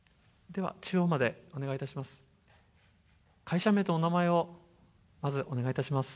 では中央までお願いいたします。